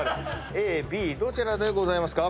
ＡＢどちらでございますか？